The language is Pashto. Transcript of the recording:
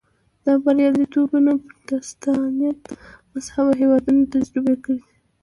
دا بریالیتوبونه پروتستانت مذهبه هېوادونو تجربه کړي دي.